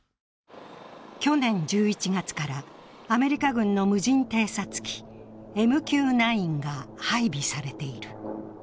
去年１１月からアメリカ軍の無人偵察機ＭＱ９が配備されている。